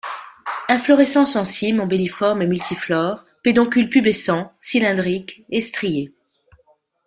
Inflorescences en cyme ombelliforme et multiflores, pédoncule pubescent, cylindrique et strié.